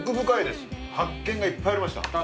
発見がいっぱいありました